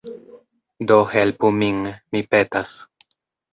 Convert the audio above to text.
Do helpu min, mi petas.